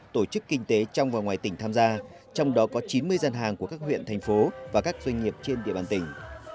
tổ chức kinh tế trong và ngoài tỉnh tham gia trong đó có chín mươi gian hàng của các huyện thành phố và các doanh nghiệp trên địa bàn tỉnh